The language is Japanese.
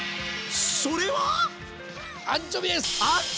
それは⁉アンチョビです！